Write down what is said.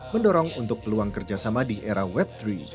mendorong untuk peluang kerjasama di era web tiga